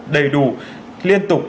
đầy đủ liên tục